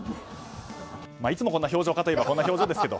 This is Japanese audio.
いつもこんな表情かといえばこんな表情ですが。